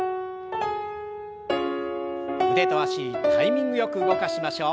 腕と脚タイミングよく動かしましょう。